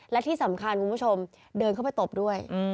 และที่สำคัญคุณผู้ชมเดินเข้าไปตบด้วย